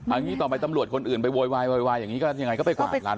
อันนี้ต่อไปตำรวจคนอื่นไปโวยวายอย่างงี้ก็ยังไงก็ไปกว่าร้านวัด